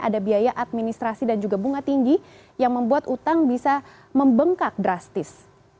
ada biaya administrasi dan juga bunga tinggi yang membuat utang bisa membengkak drastis